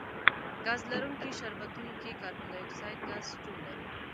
ګاز لرونکي شربتونو کې کاربن ډای اکسایډ ګاز شتون لري.